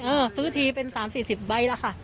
เออซื้อทีเป็น๓๔๐ใบแล้วค่ะ